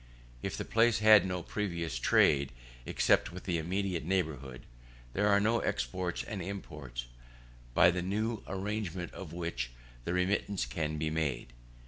If the place had no previous trade except with the immediate neighbourhood, there are no exports and imports, by the new arrangement of which, the remittance can be made.